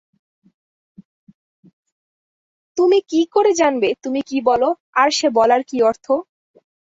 তুমি কী করে জানবে তুমি কী বল, আর সে বলার কী অর্থ।